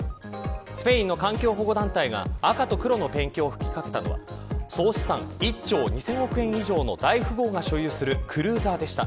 スペインの環境保護団体が赤と黒のペンキを吹きかけたのは総資産１兆２０００億円以上の大富豪が所有するクルーザーでした。